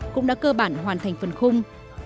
cũng đã cơ bản hoàn thành phần khung